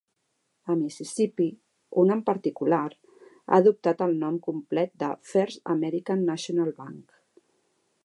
A Mississipí, un en particular, ha adoptat el nom complet del "First American National Bank".